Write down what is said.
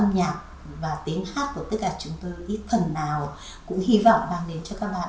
nhạc và tiếng hát của tất cả chúng tôi ít phần nào cũng hy vọng mang đến cho các bạn